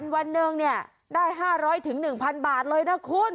วันหนึ่งเนี่ยได้๕๐๐๑๐๐บาทเลยนะคุณ